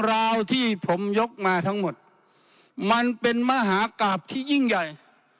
ราวที่ผมยกมาทั้งหมดมันเป็นมหากราบที่ยิ่งใหญ่